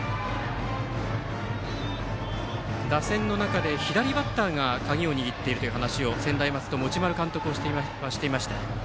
打線の中で、左バッターが鍵を握っているという話を専大松戸の持丸監督は話をしていました。